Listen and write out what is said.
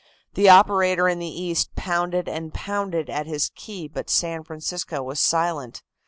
The operator in the East pounded and pounded at his key, but San Francisco was silent.